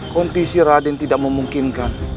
kondisi raden tidak memungkinkan